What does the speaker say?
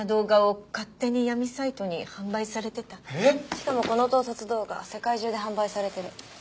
しかもこの盗撮動画世界中で販売されてる。